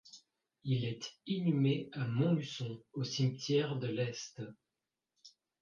Il est inhumé à Montluçon, au cimetière de l'Est.